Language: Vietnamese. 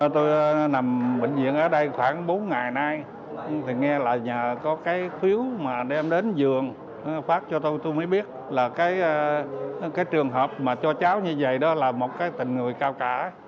tôi nằm bệnh viện ở đây khoảng bốn ngày nay thì nghe là có cái phiếu mà đem đến giường phát cho tôi tôi mới biết là cái trường hợp mà cho cháu như vậy đó là một cái tình người cao cả